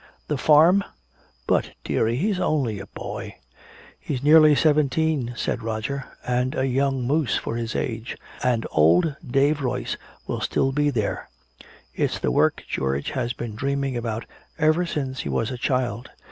'" "The farm? But, dearie! He's only a boy!" "He's nearly seventeen," said Roger, "and a young moose for his age. And old Dave Royce will still be there. It's the work George has been dreaming about ever since he was a child.